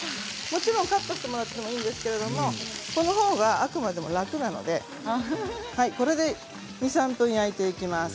もちろんカットしてもいいんですけれどこのほうが、あとが楽なのでこれで２、３分焼いていきます。